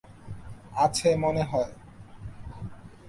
আছে মনে হয়।